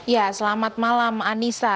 ya selamat malam anissa